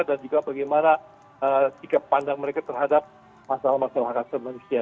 dan juga bagaimana sikap pandang mereka terhadap masalah masalah hak kesehatan manusia